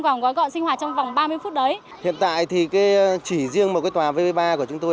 vòng gói gọn sinh hoạt trong vòng ba mươi phút đấy hiện tại thì chỉ riêng một cái tòa vb ba của chúng tôi